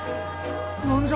何じゃ？